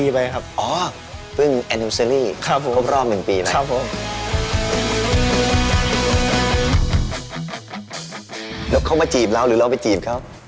แล้วเขามาจีบเราหรือเราไปจีบเขา